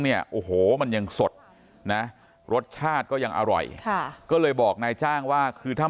เนี่ยโอ้โหมันยังสดนะรสชาติก็ยังอร่อยค่ะก็เลยบอกนายจ้างว่าคือถ้า